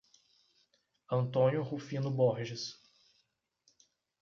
Antônio Rufino Borges